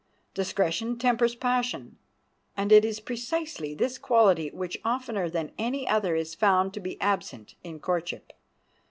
Discretion tempers passion, and it is precisely this quality which oftener than any other is found to be absent in courtship.